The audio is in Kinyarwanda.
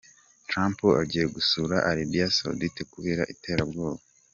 Trump agiye gusura Arabia Saudite kubera iterabwoba.